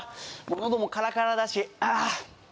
のどもカラカラだしああー